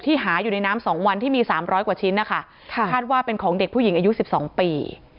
หาอยู่ในน้ำ๒วันที่มี๓๐๐กว่าชิ้นนะคะคาดว่าเป็นของเด็กผู้หญิงอายุ๑๒ปี